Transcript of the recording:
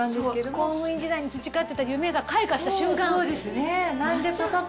公務員時代に培ってた夢が開花した瞬間。